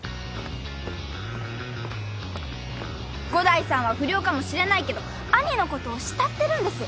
伍代さんは不良かもしれないけど兄のことを慕ってるんです。